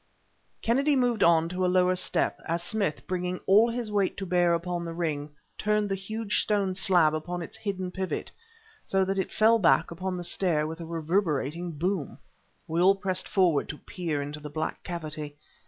Kennedy moved on to a lower step as Smith, bringing all his weight to bear upon the ring, turned the huge stone slab upon its hidden pivot, so that it fell back upon the stair with a reverberating boom. We all pressed forward to peer into the black cavity.